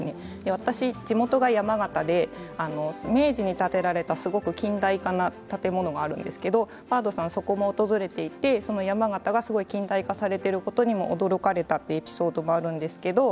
私、地元が山形で明治に建てられたすごく近代化な建物があるんですけど、バードさんはそこも訪れていて、その山形がすごく近代化されていることにも驚かれたというエピソードもあるんですけど